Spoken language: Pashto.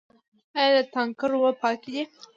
آیا د تانکر اوبه پاکې دي؟